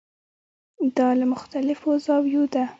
دا له مختلفو زاویو ده.